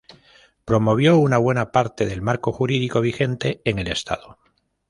Promovió una buena parte del marco jurídico vigente en el Estado.